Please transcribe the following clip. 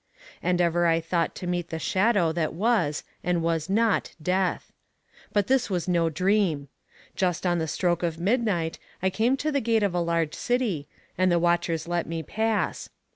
And ever I thought to meet the shadow that was and was not death. But this was no dream. Just on the stroke of midnight, I came to the gate of a large city, and the watchers let me pass.